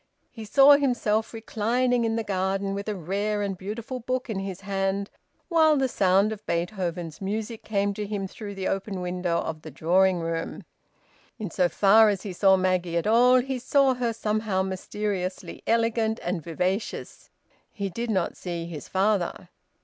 He saw himself reclining in the garden with a rare and beautiful book in his hand, while the sound of Beethoven's music came to him through the open window of the drawing room. In so far as he saw Maggie at all, he saw her somehow mysteriously elegant and vivacious. He did not see his father.